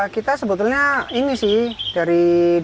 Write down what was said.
kita sebetulnya ini sih dari dua ribu empat belas